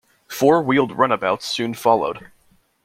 Four-wheeled runabouts soon followed.